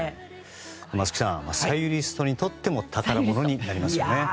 松木さん、サユリストにとっても宝物になりますよね。